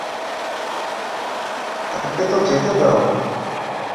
তাকে তো যেতে দাও।